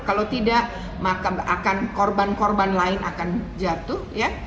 kalau tidak maka akan korban korban lain akan jatuh ya